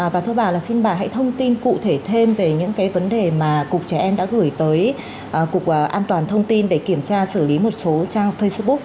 và thưa bà là xin bà hãy thông tin cụ thể thêm về những cái vấn đề mà cục trẻ em đã gửi tới cục an toàn thông tin để kiểm tra xử lý một số trang facebook